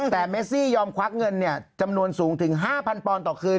แต่เมซี่ยอมควักเงินจำนวนสูงถึง๕๐๐ปอนด์ต่อคืน